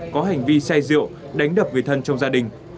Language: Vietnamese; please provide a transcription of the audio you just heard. có hành vi say rượu đánh đập người thân trong gia đình